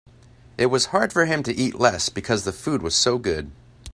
It was hard for him to eat less because the food was so good.